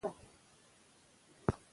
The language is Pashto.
افغانستان د بزګانو د ژوند له امله شهرت لري.